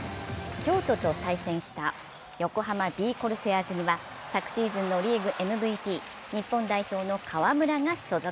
京都と対戦した横浜ビー・コルセアーズは昨シーズンのリーグＭＶＰ、日本代表の河村が所属。